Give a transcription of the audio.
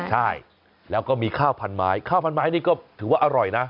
ใช่แล้วก็มีข้าวพันไม้ข้าวพันไม้นี่ก็ถือว่าอร่อยนะ